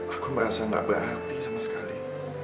aku merasa gak berhati sama sekali